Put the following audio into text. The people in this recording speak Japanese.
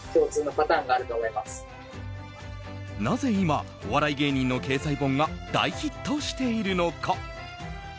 なぜ今、お笑い芸人の経済本が大ヒットしているのか。